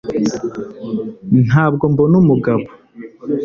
Ntabwo mbona umugabo